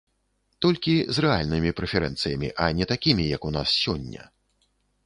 Толькі з рэальнымі прэферэнцыямі, а не такімі, як у нас сёння.